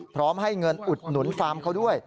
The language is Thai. พร้อมให้เงินอุดหนุนฟาร์มเขาด้วย